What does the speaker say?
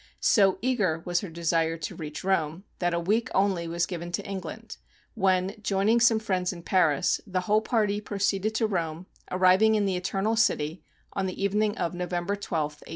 So eager was her desire to reach Rome, that a week only was given to England, when, joining some friends in Paris, the whole party proceeded to Rome, arriving in the Eternal City on the evening of November 12th, 1852.